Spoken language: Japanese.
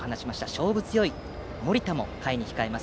勝負強い森田も下位に控えます。